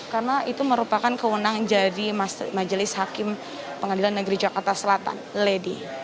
karena itu merupakan kewenang jadi majelis hakim pengadilan negeri jakarta selatan ledi